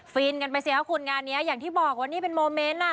ินกันไปสิครับคุณงานนี้อย่างที่บอกว่านี่เป็นโมเมนต์อ่ะ